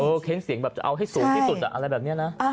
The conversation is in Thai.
เค้นเสียงแบบจะเอาให้สูงที่สุดอะไรแบบนี้นะ